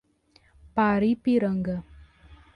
Paripiranga